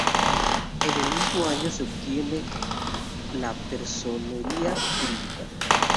En el mismo año se obtiene la personería jurídica.